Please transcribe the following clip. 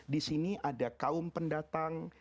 disini ada kaum pendatang